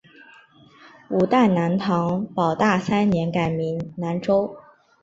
五代南唐保大三年改名南州。